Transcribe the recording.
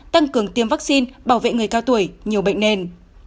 tăng cường tiêm vaccine bảo vệ người cao tuổi nhiều bệnh nền